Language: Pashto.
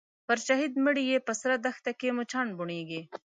پر شهید مړي یې په سره دښت کي مچان بوڼیږي